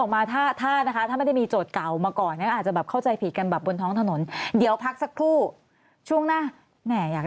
ไม่ได้เปลี่ยนแน่นอน